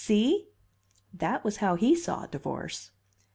See?' That was how he saw divorce."